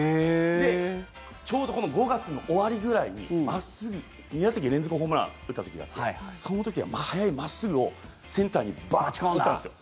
ちょうど５月の終わりぐらいに真っすぐ２打席連続ホームラン打った時があってその時は、速い真っすぐをセンターにバチコーンって打ったんですよ。